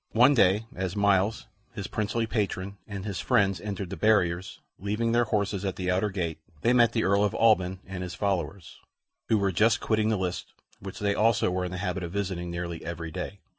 One day as Myles, his princely patron, and his friends entered the barriers, leaving their horses at the outer gate, they met the Earl of Alban and his followers, who were just quitting the lists, which they also were in the habit of visiting nearly every day.